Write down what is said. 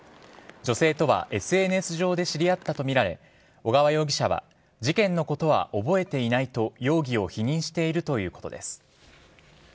女性とはＳＮＳ上で知り合ったとみられ小川容疑者は事件のことは覚えていないと容疑を否認しているということです。